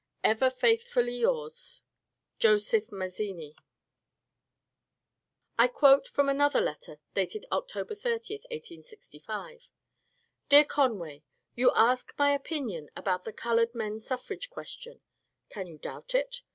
Ever faithfully yours, Joseph Mazzini. I quote from another letter dated October 30, 1865 :— Deab Conway, — You ask my opinion about the coloured men suffrage question. Can you doubt it?